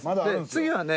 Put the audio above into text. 次はね